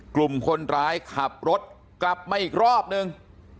กลุ่มคนร้ายขับรถกลับมาอีกรอบนึง